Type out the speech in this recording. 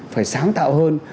phải sáng tạo hơn